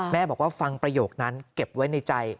แม่บอกว่าฟังประโยคนั้นเก็บไว้ในใจ